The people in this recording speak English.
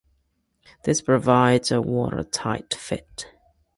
This provides a watertight fit.